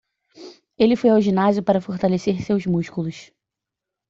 Ele foi ao ginásio para fortalecer seus músculos.